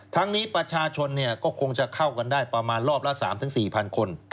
ทั้งนี้ประชาชนก็คงจะเข้ากันได้ประมาณรอบละ๓๔๐๐คน